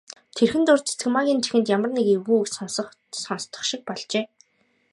Тэрхэн зуур Цэрэгмаагийн чихэнд ямар нэг эвгүй үг сонстох шиг болжээ.